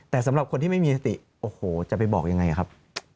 แต่สำหรับคนที่ไม่มีสติโอ้โหจะไปบอกยังไงครับ